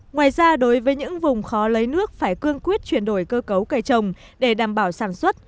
ngoài ra đối với những vùng khó lấy nước phải cương quyết chuyển đổi cơ cấu cây trồng để đảm bảo sản xuất